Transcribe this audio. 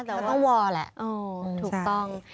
เขาต้องว่าแหละใช่ค่ะถูกต้อง